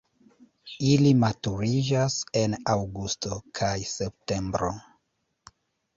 Ili maturiĝas en aŭgusto kaj septembro.